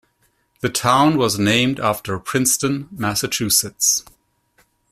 The town was named after Princeton, Massachusetts.